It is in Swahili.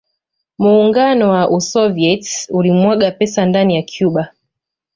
Muungano wa Usovieti ulimwaga pesa ndani ya Cuba